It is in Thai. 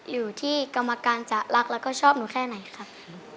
อยู่ที่กรรมการจะรักแล้วก็ชอบหนูแค่ไหนครับ